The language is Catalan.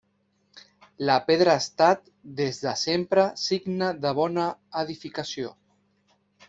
La pedra ha estat, des de sempre, signe de bona edificació.